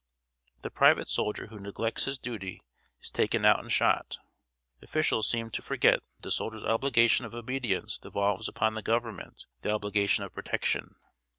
The private soldier who neglects his duty is taken out and shot. Officials seemed to forget that the soldier's obligation of obedience devolves upon the Government the obligation of protection.